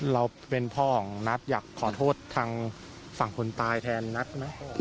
เราเป็นพ่อของนัทอยากขอโทษทางฝั่งคนตายแทนนัทไหม